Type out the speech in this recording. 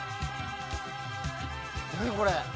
何これ？